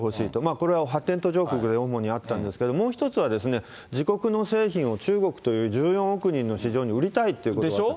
これは発展途上国で主にあったんですけれども、もう１つは、自国の製品を中国という１４億人の市場に売りたいってことがあった。